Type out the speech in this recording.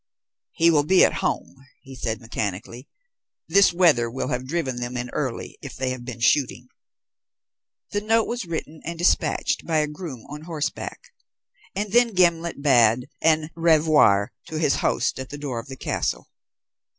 "He will be at home," he said mechanically. "This weather will have driven them in early if they have been shooting." The note was written and dispatched by a groom on horseback, and then Gimblet bade au revoir to his host at the door of the castle.